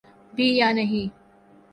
بھی یا نہیں۔